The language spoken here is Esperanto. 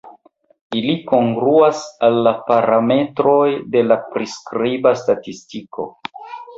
Ili kongruas al la "parametroj" de la priskriba statistiko.